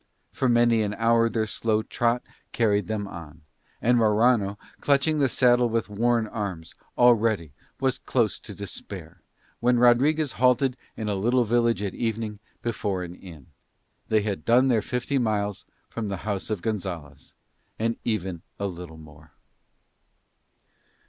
For many an hour their slow trot carried them on; and Morano, clutching the saddle with worn arms, already was close to despair, when Rodriguez halted in a little village at evening before an inn. They had done their fifty miles from the house of Gonzalez, and even a little more.